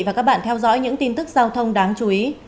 và các bạn theo dõi những tin tức giao thông đáng chú ý